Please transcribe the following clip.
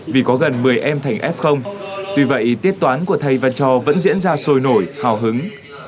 vì có gần một mươi em thành f tuy vậy tiết toán của thầy và trò vẫn diễn ra sôi nổi hào hứng